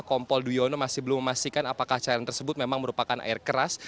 kompol duyono masih belum memastikan apakah cairan tersebut memang merupakan air keras